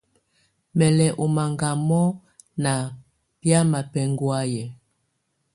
Mè lɛ̀ ɔ́ mangamɔ ná biamɛ̀á bɛ̀nhɔ̀áyɛ̀.